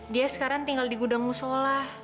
dia sekarang tinggal di gudang musola